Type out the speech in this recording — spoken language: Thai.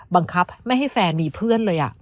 บังคับไม่ให้แฟนมีเพื่อนเลย